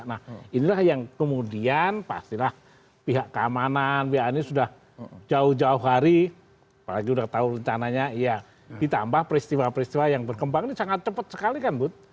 nah inilah yang kemudian pastilah pihak keamanan ba ini sudah jauh jauh hari apalagi sudah tahu rencananya ya ditambah peristiwa peristiwa yang berkembang ini sangat cepat sekali kan bud